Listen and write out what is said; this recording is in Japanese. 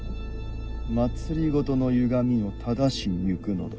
政のゆがみを正しに行くのだ。